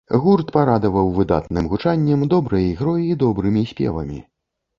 Гурт парадаваў выдатным гучаннем, добрай ігрой і добрымі спевамі.